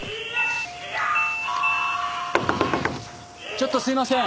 ちょっとすいません。